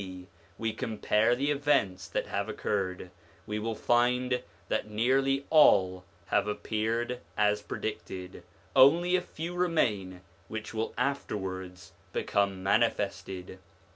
D. we compare the events that have occurred, we will find that nearly all have appeared as predicted ; only a few remain which will afterwards become manifested.